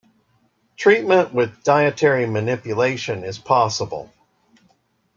Treatment with dietary manipulation is possible.